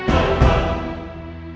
riki masih hidup